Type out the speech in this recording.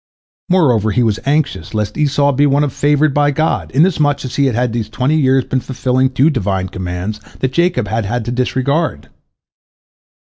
Moreover, he was anxious lest Esau be the one favored by God, inasmuch as he had these twenty years been fulfilling two Divine commands that Jacob had had to disregard.